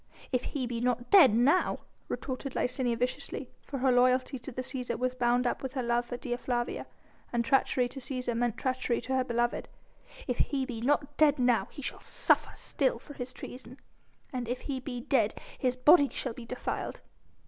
"If he be not dead now," retorted Licinia viciously, for her loyalty to the Cæsar was bound up with her love for Dea Flavia, and treachery to Cæsar meant treachery to her beloved, "If he be not dead now, he shall still suffer for his treason: and if he be dead his body shall be defiled."